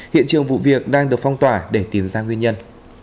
hiện trường vụ việc đang được phong tỏa để tìm ra nguyên nhân